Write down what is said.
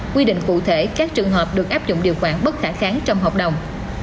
quy định cụ thể các trường hợp được áp dụng điều khoản bất khả kháng trong hợp đồng